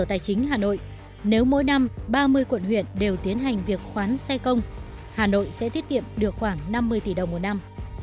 tại chính hà nội nếu mỗi năm ba mươi quận huyện đều tiến hành việc khoán xe công hà nội sẽ tiết kiệm được khoảng năm mươi tỷ đồng một năm